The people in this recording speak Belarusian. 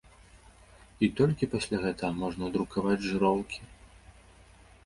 І толькі пасля гэтага можна друкаваць жыроўкі.